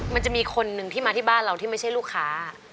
มันจะมีคนหนึ่งที่มาที่บ้านเราที่ไม่ใช่ลูกค้า